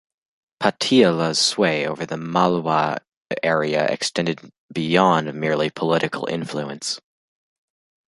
Patiala's sway over the Malwa area extended beyond merely political influence.